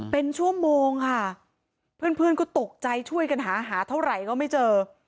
เป็นชั่วโมงค่ะเพื่อนก็ตกใจช่วยกันหาหาเท่าไหร่ก็ไม่เจอ